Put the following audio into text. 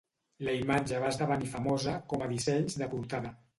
La imatge va esdevenir famosa com a dissenys de portada.